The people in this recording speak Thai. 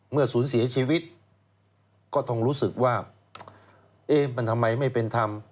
ศูนย์เสียชีวิตก็ต้องรู้สึกว่าเอ๊ะมันทำไมไม่เป็นธรรม